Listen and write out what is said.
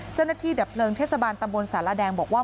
เจ้าหน้าที่ดับเลิงเทศบาลตำบลสาหร่าแดงบอกว่า